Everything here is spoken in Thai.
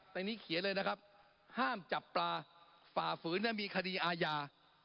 แต่นี่เขียนเลยนะครับห้ามจับปลาฝ่าฝืนและมีคดีอาญา